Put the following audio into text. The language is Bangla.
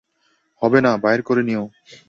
হবে না, বাইরে করে নিও।